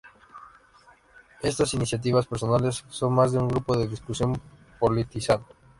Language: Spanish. Estas iniciativas personales son más un grupo de discusión politizado.